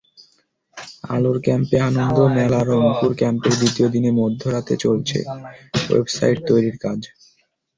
আলোর ক্যাম্পে আনন্দ মেলারংপুর ক্যাম্পের দ্বিতীয় দিনে মধ্যরাতে চলছে ওয়েবসাইট তৈরির কাজ।